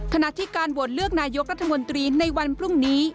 ขณะที่การโหวตเลือกนายกรัฐมนตรีในวันพรุ่งนี้